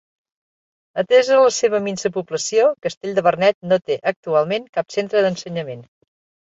Atesa la seva minsa població, Castell de Vernet no té actualment cap centre d'ensenyament.